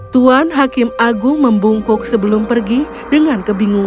tuan hakim agung membungkuk sebelum pergi dengan kebingungan